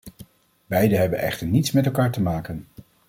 Beide hebben echter niets met elkaar te maken.